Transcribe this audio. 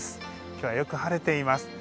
今日は、よく晴れています。